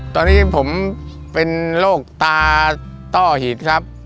ตอนนี้ผมเป็นโรคตาต้อหิตครับ